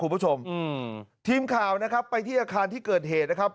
คุณผู้ชมอืมทีมข่าวนะครับไปที่อาคารที่เกิดเหตุนะครับ